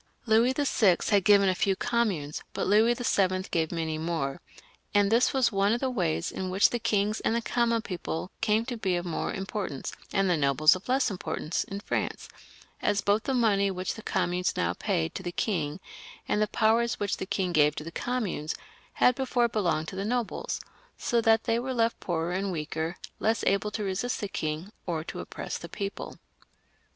Louis YI. had given a few communes, but Louis VIL gave many more, and this was one of the ways in which the kings and the common people came to be of more importance, and the nobles of less importance, in France, as both the money which the communes now paid to the king, and the powers which the king gave to the communes, had before belonged to the nobles, so that they were left poorer and weaker, less able to resist the king or to oppress the people.